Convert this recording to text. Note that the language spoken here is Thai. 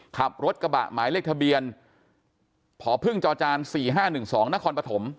ขับรถกระบะหมายเลขทะเบียนพพจ๔๕๑๒นครปฐม